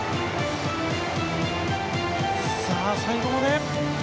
さあ、最後まで。